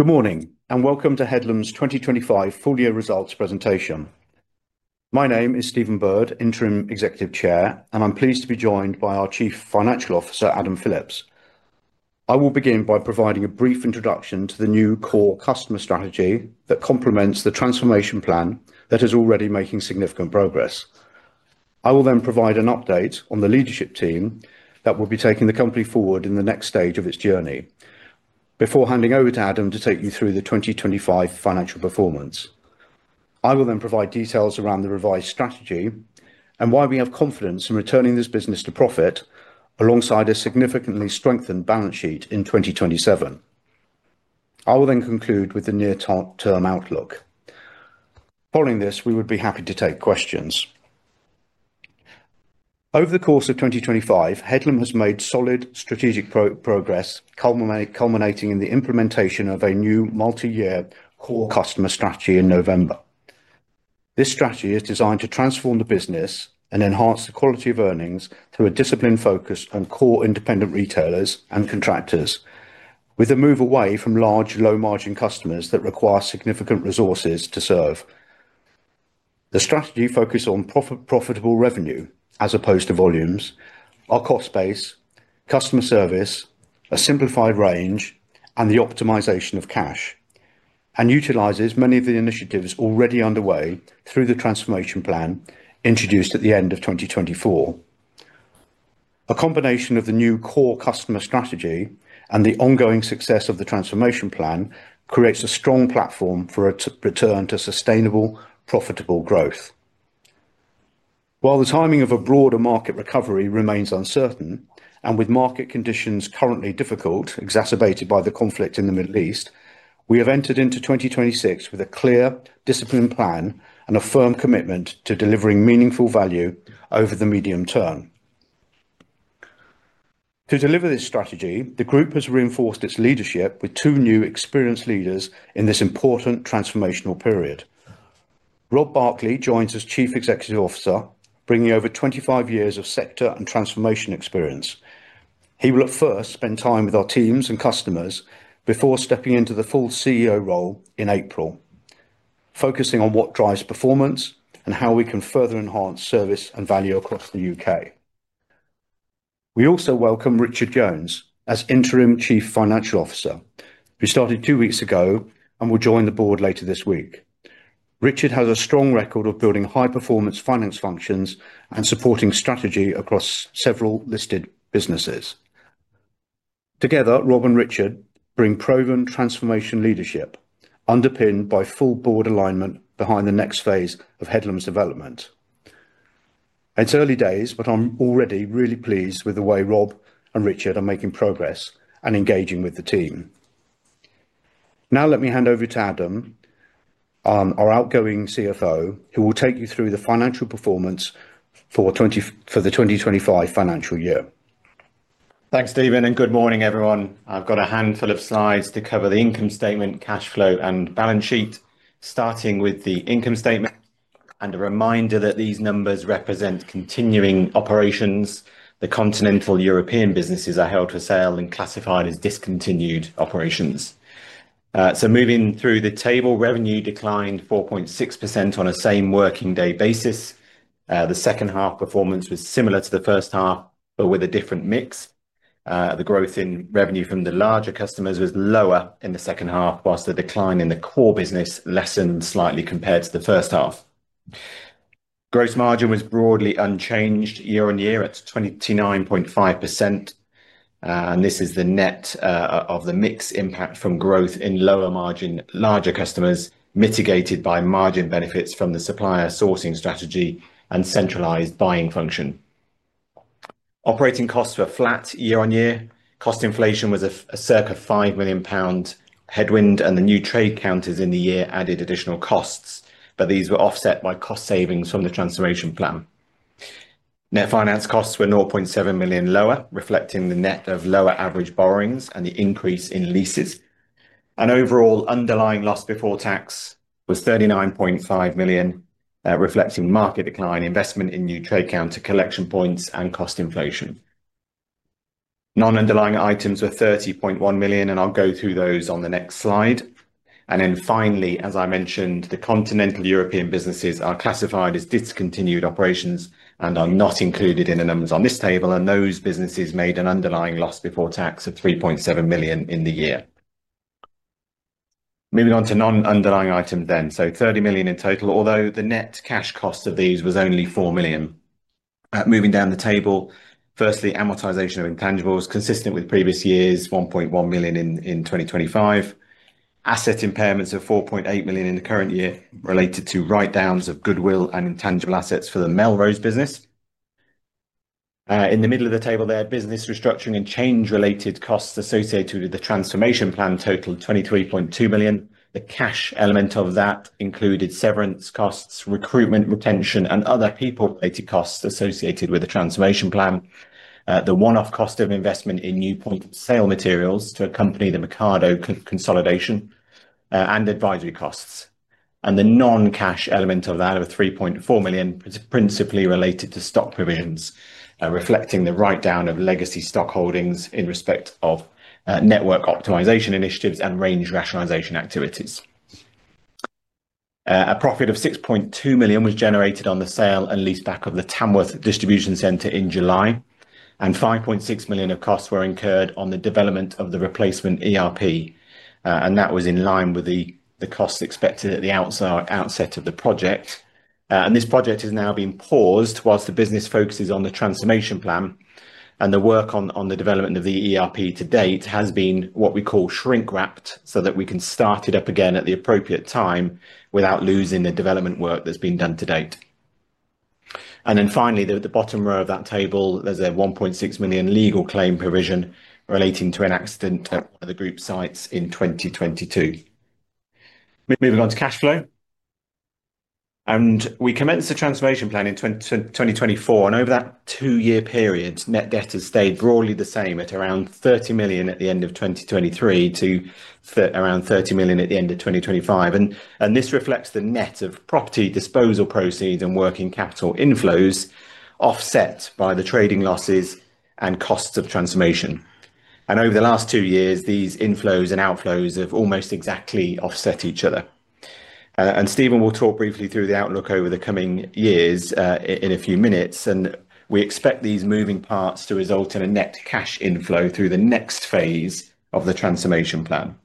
Good morning, and welcome to Headlam's 2025 Full Year Results Presentation. My name is Stephen Bird, Interim Executive Chair, and I'm pleased to be joined by our Chief Financial Officer, Adam Phillips. I will begin by providing a brief introduction to the new core customer strategy that complements the transformation plan that is already making significant progress. I will then provide an update on the leadership team that will be taking the company forward in the next stage of its journey. Before handing over to Adam to take you through the 2025 financial performance, I will then provide details around the revised strategy and why we have confidence in returning this business to profit alongside a significantly strengthened balance sheet in 2027. I will then conclude with the near-term outlook. Following this, we would be happy to take questions. Over the course of 2025, Headlam has made solid strategic progress, culminating in the implementation of a new multi-year core customer strategy in November. This strategy is designed to transform the business and enhance the quality of earnings through a disciplined focus on core independent retailers and contractors with a move away from large, low margin customers that require significant resources to serve. The strategy focuses on profitable revenue as opposed to volumes, our cost base, customer service, a simplified range, and the optimization of cash, and utilizes many of the initiatives already underway through the transformation plan introduced at the end of 2024. A combination of the new core customer strategy and the ongoing success of the transformation plan creates a strong platform for a return to sustainable, profitable growth. While the timing of a broader market recovery remains uncertain, and with market conditions currently difficult, exacerbated by the conflict in the Middle East, we have entered into 2026 with a clear disciplined plan and a firm commitment to delivering meaningful value over the medium term. To deliver this strategy, the group has reinforced its leadership with two new experienced leaders in this important transformational period. Rob Barclay joins as Chief Executive Officer, bringing over 25 years of sector and transformation experience. He will at first spend time with our teams and customers before stepping into the full Chief Executive Officer role in April, focusing on what drives performance and how we can further enhance service and value across the U.K. We also welcome Richard Jones as Interim Chief Financial Officer, who started two weeks ago and will join the board later this week. Richard has a strong record of building high performance finance functions and supporting strategy across several listed businesses. Together, Rob and Richard bring proven transformation leadership underpinned by full board alignment behind the next phase of Headlam's development. It's early days, but I'm already really pleased with the way Rob and Richard are making progress and engaging with the team. Now let me hand over to Adam, our outgoing Chief Financial Officer, who will take you through the financial performance for the 2025 financial year. Thanks, Stephen, and good morning, everyone. I've got a handful of slides to cover the income statement, cash flow and balance sheet, starting with the income statement. A reminder that these numbers represent continuing operations. The continental European businesses are held for sale and classified as discontinued operations. Moving through the table, revenue declined 4.6% on a same working day basis. The second half performance was similar to the first half, but with a different mix. The growth in revenue from the larger customers was lower in the second half, while the decline in the core business lessened slightly compared to the first half. Gross margin was broadly unchanged year on year at 29.5%. This is the net of the mix impact from growth in lower margin larger customers mitigated by margin benefits from the supplier sourcing strategy and centralized buying function. Operating costs were flat year-on-year. Cost inflation was circa 5 million pound headwind, and the new trade counters in the year added additional costs, but these were offset by cost savings from the transformation plan. Net finance costs were 0.7 million lower, reflecting the net of lower average borrowings and the increase in leases. Overall underlying loss before tax was 39.5 million, reflecting market decline, investment in new trade counter collection points and cost inflation. Non-underlying items were 30.1 million, and I'll go through those on the next slide. Finally, as I mentioned, the continental European businesses are classified as discontinued operations and are not included in the numbers on this table, and those businesses made an underlying loss before tax of 3.7 million in the year. Moving on to non-underlying items then. Thirty million in total, although the net cash cost of these was only 4 million. Moving down the table, firstly, amortization of intangibles consistent with previous years, 1.1 million in 2025. Asset impairments of 4.8 million in the current year related to write-downs of goodwill and intangible assets for the Melrose business. In the middle of the table there, business restructuring and change related costs associated with the transformation plan totaled 23.2 million. The cash element of that included severance costs, recruitment, retention and other people-related costs associated with the transformation plan, the one-off cost of investment in new point-of-sale materials to accompany the Mercado consolidation, and advisory costs. The non-cash element of that of 3.4 million is principally related to stock provisions, reflecting the write-down of legacy stock holdings in respect of network optimization initiatives and range rationalization activities. A profit of 6.2 million was generated on the sale and leaseback of the Tamworth distribution center in July, and 5.6 million of costs were incurred on the development of the replacement ERP. That was in line with the costs expected at the outset of the project. This project has now been paused while the business focuses on the transformation plan and the work on the development of the ERP to date has been what we call shrink wrapped so that we can start it up again at the appropriate time without losing the development work that's been done to date. Then finally, the bottom row of that table, there's a 1.6 million legal claim provision relating to an accident at one of the group sites in 2022. Moving on to cash flow. We commenced the transformation plan in 2024, and over that two-year period, net debt has stayed broadly the same at around 30 million at the end of 2023 to around 30 million at the end of 2025. This reflects the net of property disposal proceeds and working capital inflows offset by the trading losses and costs of transformation. Over the last two years, these inflows and outflows have almost exactly offset each other. Stephen will talk briefly through the outlook over the coming years in a few minutes, and we expect these moving parts to result in a net cash inflow through the next phase of the transformation plan.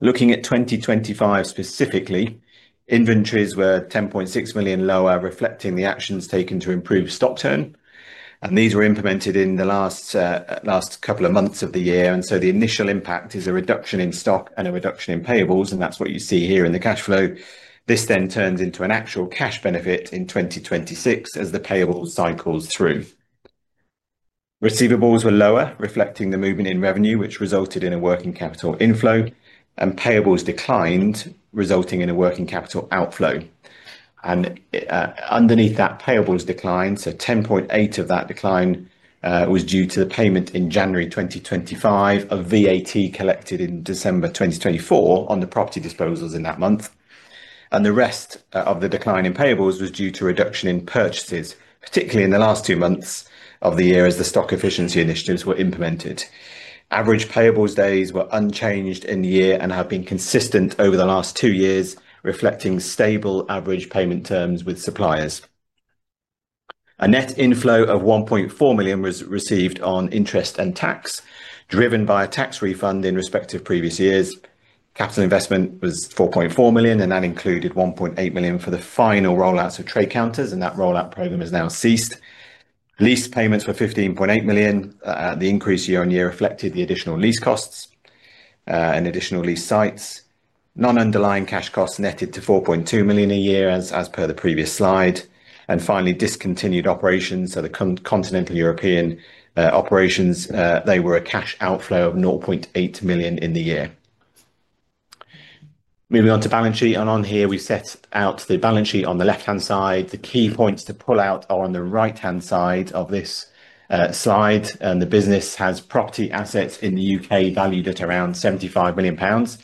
Looking at 2025 specifically, inventories were 10.6 million lower, reflecting the actions taken to improve stock turn. These were implemented in the last couple of months of the year, and so the initial impact is a reduction in stock and a reduction in payables, and that's what you see here in the cash flow. This then turns into an actual cash benefit in 2026 as the payable cycles through. Receivables were lower, reflecting the movement in revenue which resulted in a working capital inflow, and payables declined, resulting in a working capital outflow. Underneath that payables decline, so 10.8 of that decline was due to the payment in January 2025 of VAT collected in December 2024 on the property disposals in that month. The rest of the decline in payables was due to reduction in purchases, particularly in the last two months of the year as the stock efficiency initiatives were implemented. Average payables days were unchanged in the year and have been consistent over the last two years, reflecting stable average payment terms with suppliers. A net inflow of 1.4 million was received on interest and tax, driven by a tax refund in respect of previous years. Capital investment was 4.4 million, and that included 1.8 million for the final rollouts of trade counters, and that rollout program has now ceased. Lease payments were 15.8 million. The increase year-on-year reflected the additional lease costs and additional lease sites. Non-underlying cash costs netted to 4.2 million a year as per the previous slide. Finally, discontinued operations. The continental European operations they were a cash outflow of 0.8 million in the year. Moving on to balance sheet, and on here we set out the balance sheet on the left-hand side. The key points to pull out are on the right-hand side of this slide. The business has property assets in the U.K. valued at around 75 million pounds.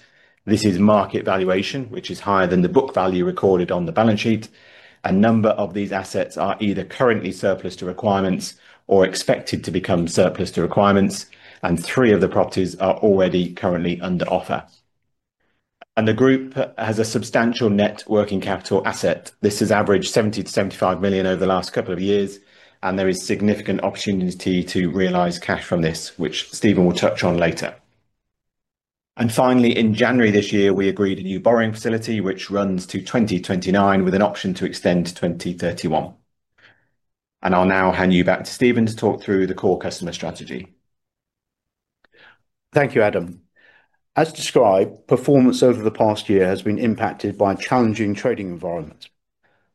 This is market valuation, which is higher than the book value recorded on the balance sheet. A number of these assets are either currently surplus to requirements or expected to become surplus to requirements, and 3 of the properties are already currently under offer. The group has a substantial net working capital asset. This has averaged 70-75 million over the last couple of years, and there is significant opportunity to realize cash from this, which Stephen will touch on later. Finally, in January this year, we agreed a new borrowing facility which runs to 2029 with an option to extend to 2031. I'll now hand you back to Stephen to talk through the core customer strategy. Thank you, Adam. As described, performance over the past year has been impacted by a challenging trading environment.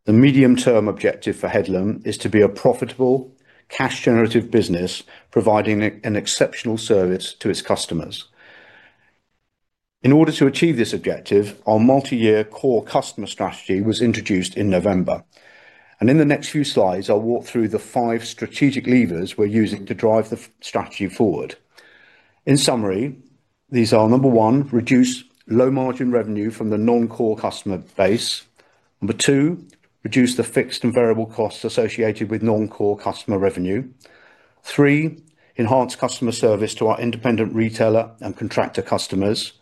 The medium-term objective for Headlam is to be a profitable, cash-generative business providing an exceptional service to its customers. In order to achieve this objective, our multi-year core customer strategy was introduced in November. In the next few slides, I'll walk through the five strategic levers we're using to drive the strategy forward. In summary, these are, number one, reduce low-margin revenue from the non-core customer base. Number two, reduce the fixed and variable costs associated with non-core customer revenue. Three, enhance customer service to our independent retailer and contractor customers.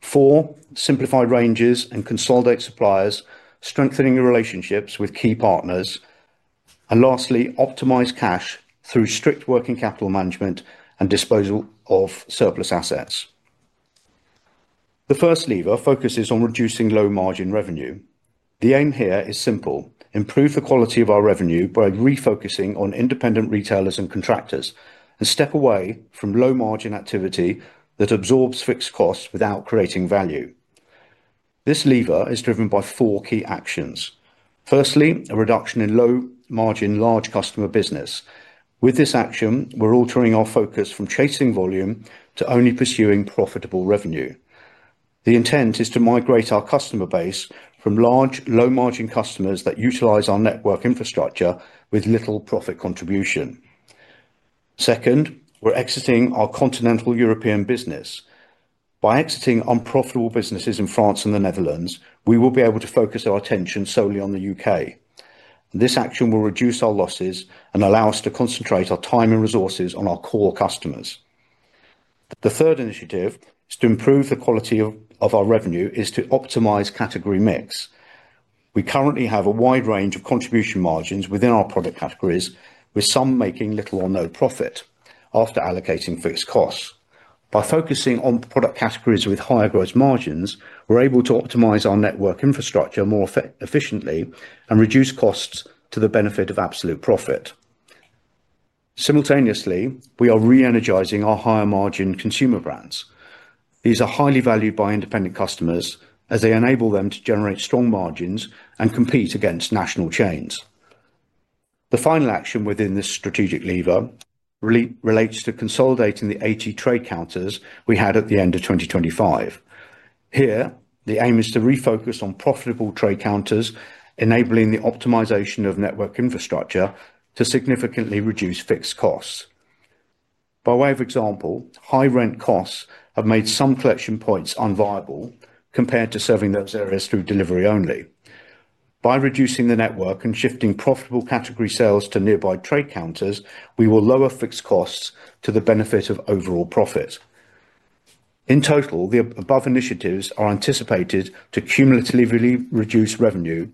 Four, simplify ranges and consolidate suppliers, strengthening relationships with key partners. Lastly, optimize cash through strict working capital management and disposal of surplus assets. The first lever focuses on reducing low-margin revenue. The aim here is simple: improve the quality of our revenue by refocusing on independent retailers and contractors and step away from low-margin activity that absorbs fixed costs without creating value. This lever is driven by four key actions. Firstly, a reduction in low-margin large customer business. With this action, we're altering our focus from chasing volume to only pursuing profitable revenue. The intent is to migrate our customer base from large low-margin customers that utilize our network infrastructure with little profit contribution. Second, we're exiting our continental European business. By exiting unprofitable businesses in France and the Netherlands, we will be able to focus our attention solely on the U.K. This action will reduce our losses and allow us to concentrate our time and resources on our core customers. The third initiative is to improve the quality of our revenue is to optimize category mix. We currently have a wide range of contribution margins within our product categories, with some making little or no profit after allocating fixed costs. By focusing on product categories with higher gross margins, we're able to optimize our network infrastructure more efficiently and reduce costs to the benefit of absolute profit. Simultaneously, we are re-energizing our higher margin consumer brands. These are highly valued by independent customers as they enable them to generate strong margins and compete against national chains. The final action within this strategic lever relates to consolidating the 80 trade counters we had at the end of 2025. Here, the aim is to refocus on profitable trade counters, enabling the optimization of network infrastructure to significantly reduce fixed costs. By way of example, high rent costs have made some collection points unviable compared to serving those areas through delivery only. By reducing the network and shifting profitable category sales to nearby trade counters, we will lower fixed costs to the benefit of overall profit. In total, the above initiatives are anticipated to cumulatively reduce revenue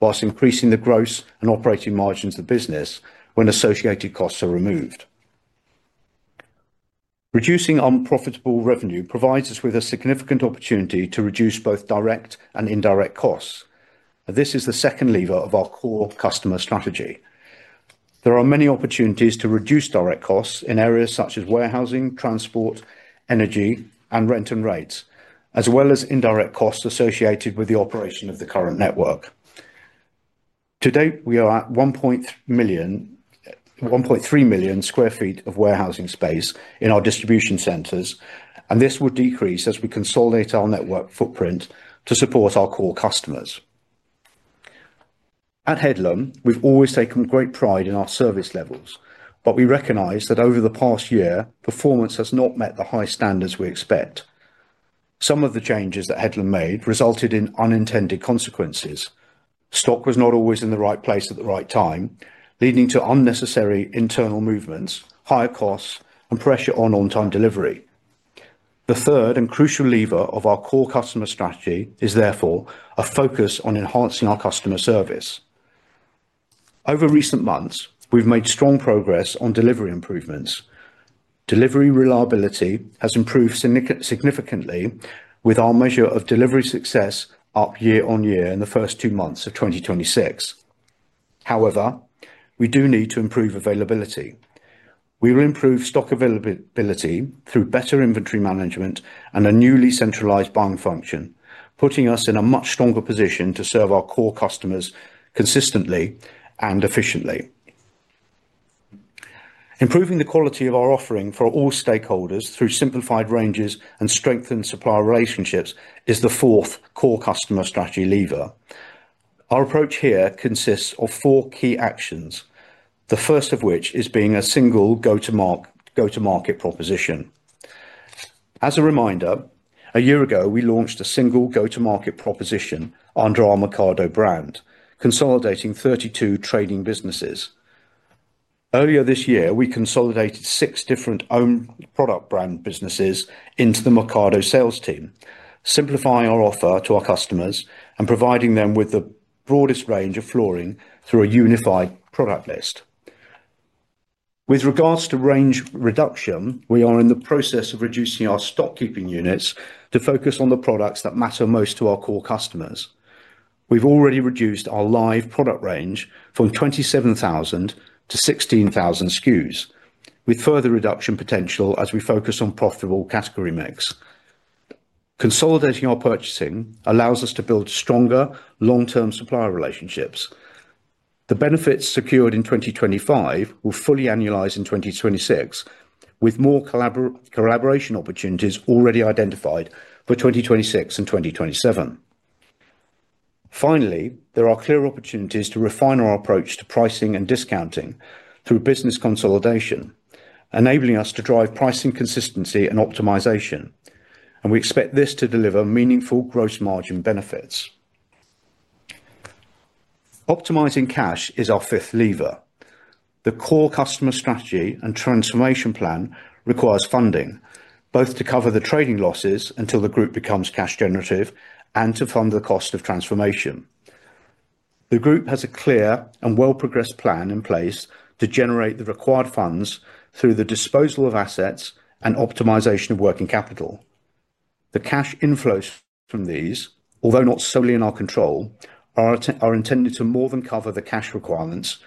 while increasing the gross and operating margins of the business when associated costs are removed. Reducing unprofitable revenue provides us with a significant opportunity to reduce both direct and indirect costs. This is the second lever of our core customer strategy. There are many opportunities to reduce direct costs in areas such as warehousing, transport, energy, and rent and rates, as well as indirect costs associated with the operation of the current network. To date, we are at 1.1 million, 1.3 million sq ft of warehousing space in our distribution centers, and this will decrease as we consolidate our network footprint to support our core customers. At Headlam, we've always taken great pride in our service levels, but we recognize that over the past year, performance has not met the high standards we expect. Some of the changes that Headlam made resulted in unintended consequences. Stock was not always in the right place at the right time, leading to unnecessary internal movements, higher costs, and pressure on on-time delivery. The third and crucial lever of our core customer strategy is therefore a focus on enhancing our customer service. Over recent months, we've made strong progress on delivery improvements. Delivery reliability has improved significantly with our measure of delivery success up year on year in the first two months of 2026. However, we do need to improve availability. We will improve stock availability through better inventory management and a newly centralized buying function, putting us in a much stronger position to serve our core customers consistently and efficiently. Improving the quality of our offering for all stakeholders through simplified ranges and strengthened supplier relationships is the fourth core customer strategy lever. Our approach here consists of four key actions. The first of which is being a single go-to-market proposition. As a reminder, a year ago, we launched a single go-to-market proposition under our Mercado brand, consolidating 32 trading businesses. Earlier this year, we consolidated 6 different own product brand businesses into the Mercado sales team, simplifying our offer to our customers and providing them with the broadest range of flooring through a unified product list. With regards to range reduction, we are in the process of reducing our stock keeping units to focus on the products that matter most to our core customers. We've already reduced our live product range from 27,000 to 16,000 SKUs, with further reduction potential as we focus on profitable category mix. Consolidating our purchasing allows us to build stronger long-term supplier relationships. The benefits secured in 2025 will fully annualize in 2026, with more collaboration opportunities already identified for 2026 and 2027. Finally, there are clear opportunities to refine our approach to pricing and discounting through business consolidation, enabling us to drive pricing consistency and optimization. We expect this to deliver meaningful gross margin benefits. Optimizing cash is our fifth lever. The core customer strategy and transformation plan requires funding, both to cover the trading losses until the group becomes cash generative and to fund the cost of transformation. The group has a clear and well progressed plan in place to generate the required funds through the disposal of assets and optimization of working capital. The cash inflows from these, although not solely in our control, are intended to more than cover the cash requirements,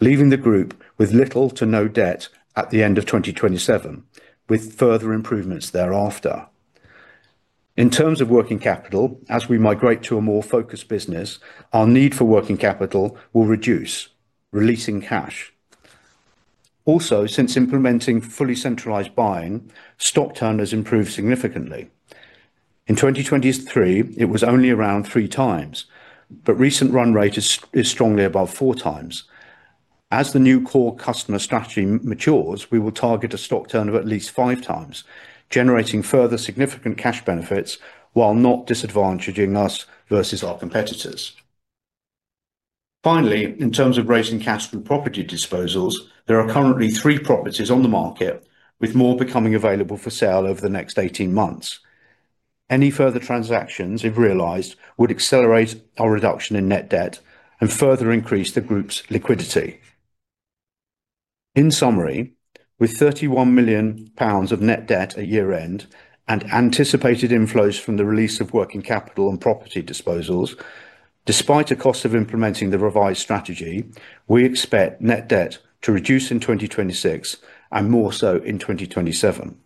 leaving the group with little to no debt at the end of 2027, with further improvements thereafter. In terms of working capital, as we migrate to a more focused business, our need for working capital will reduce, releasing cash. Also, since implementing fully centralized buying, stock turn has improved significantly. In 2023, it was only around three times, but recent run rate is strongly above four times. As the new core customer strategy matures, we will target a stock turnover at least five times, generating further significant cash benefits while not disadvantaging us versus our competitors. Finally, in terms of raising cash through property disposals, there are currently three properties on the market, with more becoming available for sale over the next 18 months. Any further transactions, if realized, would accelerate our reduction in net debt and further increase the group's liquidity. In summary, with 31 million pounds of net debt at year-end and anticipated inflows from the release of working capital and property disposals, despite a cost of implementing the revised strategy, we expect net debt to reduce in 2026 and more so in 2027.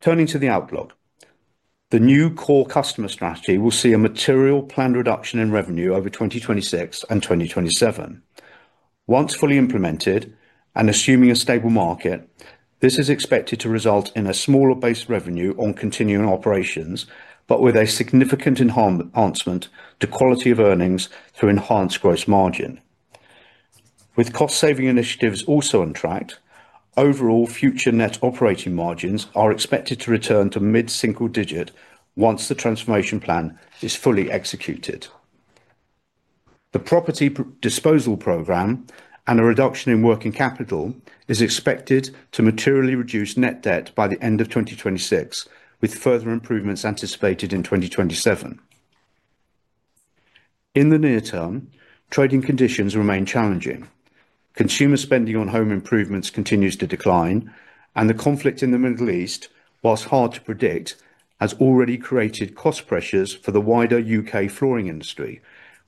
Turning to the outlook. The new core customer strategy will see a material planned reduction in revenue over 2026 and 2027. Once fully implemented and assuming a stable market, this is expected to result in a smaller base revenue on continuing operations, but with a significant enhancement to quality of earnings through enhanced gross margin. With cost-saving initiatives also on track, overall future net operating margins are expected to return to mid-single digit once the transformation plan is fully executed. The property disposal program and a reduction in working capital is expected to materially reduce net debt by the end of 2026, with further improvements anticipated in 2027. In the near term, trading conditions remain challenging. Consumer spending on home improvements continues to decline, and the conflict in the Middle East, while hard to predict, has already created cost pressures for the wider U.K. flooring industry,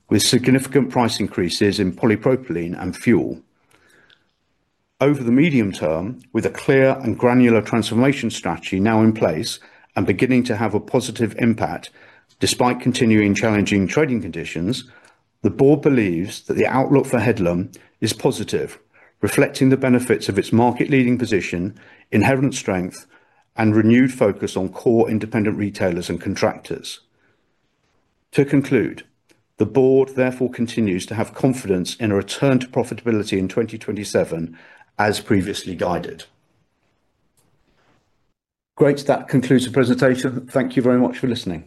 with significant price increases in polypropylene and fuel. Over the medium term, with a clear and granular transformation strategy now in place and beginning to have a positive impact despite continuing challenging trading conditions, the board believes that the outlook for Headlam is positive, reflecting the benefits of its market-leading position, inherent strength, and renewed focus on core independent retailers and contractors. To conclude, the board therefore continues to have confidence in a return to profitability in 2027 as previously guided. Great. That concludes the presentation. Thank you very much for listening.